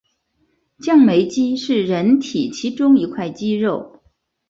降眉肌是人体其中一块肌肉。